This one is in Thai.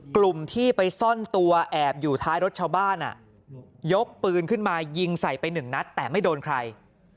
กลุ่มที่ไปซ่อนตัวแอบอยู่ท้ายรถชาวบ้านยกปืนขึ้นมายิงใส่ไปหนึ่งนัดแต่ไม่โดนใคร